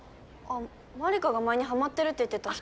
麻里香が前にハマってるって言ってた人？